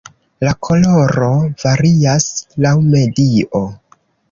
La koloro varias laŭ medio.